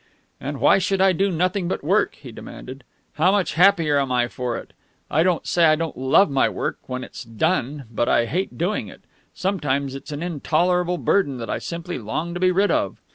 "And why should I do nothing but work?" he demanded. "How much happier am I for it? I don't say I don't love my work when it's done; but I hate doing it. Sometimes it's an intolerable burden that I simply long to be rid of.